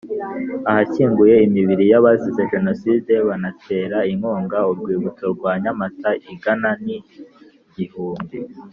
ahashyinguye imibiri y abazize Jenoside banatera inkunga urwibutso rwa Nyamata ingana nigihumbi